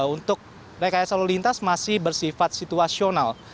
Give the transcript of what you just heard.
untuk rekayasa lalu lintas masih bersifat situasional